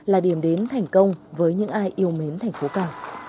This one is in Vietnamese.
là điểm đến thành công với những ai yêu mến thành phố cảng